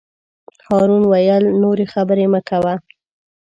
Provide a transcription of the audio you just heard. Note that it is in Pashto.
هارون وویل: نورې خبرې مه کوه.